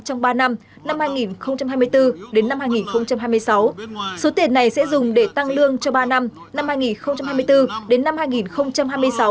trong ba năm năm hai nghìn hai mươi bốn đến năm hai nghìn hai mươi sáu số tiền này sẽ dùng để tăng lương cho ba năm năm hai nghìn hai mươi bốn đến năm hai nghìn hai mươi sáu